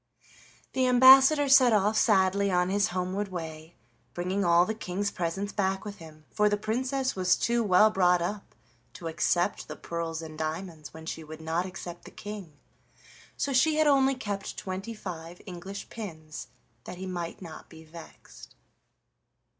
The ambassador set off sadly on his homeward way, bringing all the King's presents back with him, for the Princess was too well brought up to accept the pearls and diamonds when she would not accept the King, so she had only kept twenty five English pins that he might not be vexed.